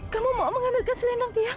kamu mau mengambilkan selendang tiang